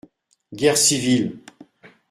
- Guerre civile.